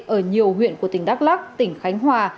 ở nhiều huyện của tỉnh đắk lắc tỉnh khánh hòa